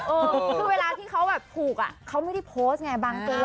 คือเวลาที่เขาถูกเขาไม่ได้โพสต์ไงบางตัว